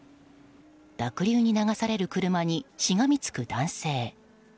濁流に流される車にしがみつく男性。